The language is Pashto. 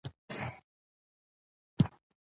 ساره په تش کاته د خلکو زړونه غلا کوي.